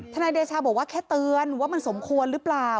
นายเดชาบอกว่าแค่เตือนว่ามันสมควรหรือเปล่า